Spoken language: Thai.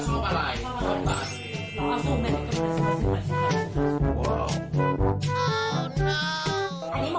คืออยากให้แบบ